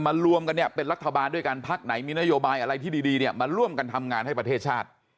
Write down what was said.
รวมกันเนี่ยเป็นรัฐบาลด้วยกันพักไหนมีนโยบายอะไรที่ดีเนี่ยมาร่วมกันทำงานให้ประเทศชาติ